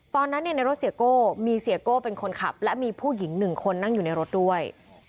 ตอนนั้นในรถเสียโก้มีเสียโก้เป็นคนขับและมีผู้หญิงหนึ่งคนนั่งอยู่ในรถด้วย